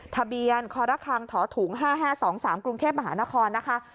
ทะเบียนคคถ๕๕๒๓กรุงเทพฯมหานครนะคะ